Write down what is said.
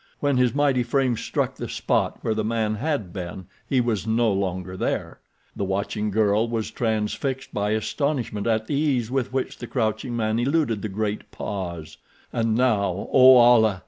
When his mighty frame struck the spot where the man had been he was no longer there. The watching girl was transfixed by astonishment at the ease with which the crouching man eluded the great paws. And now, O Allah!